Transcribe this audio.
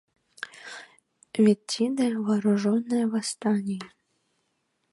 Вет тиде — вооружённое восстание!